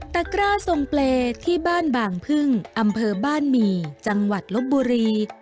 กร้าทรงเปรย์ที่บ้านบางพึ่งอำเภอบ้านหมี่จังหวัดลบบุรี